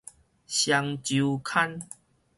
雙週刊